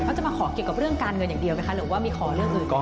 เขาจะมาขอเกี่ยวกับเรื่องการเงินอย่างเดียวไหมคะหรือว่ามีขอเรื่องอื่น